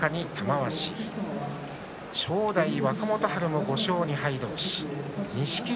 正代と若元春も５勝２敗同士。